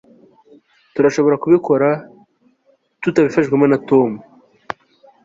turashobora kubikora tutabifashijwemo na tom